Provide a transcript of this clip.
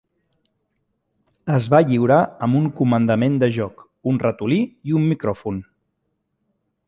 Es va lliurar amb un comandament de joc, un ratolí i un micròfon.